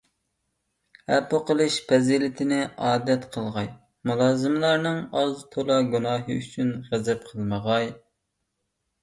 ئەپۇ قىلىش پەزىلىتىنى ئادەت قىلغاي، مۇلازىملارنىڭ ئاز - تولا گۇناھى ئۈچۈن غەزەپ قىلمىغاي.